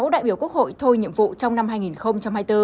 sáu đại biểu quốc hội thôi nhiệm vụ trong năm hai nghìn hai mươi bốn